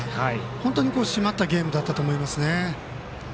本当に締まったゲームだったと思います。